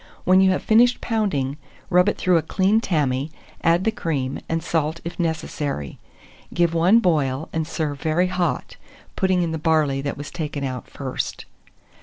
When you have finished pounding, rub it through a clean tammy, add the cream, and salt if necessary; give one boil, and serve very hot, putting in the barley that was taken out first.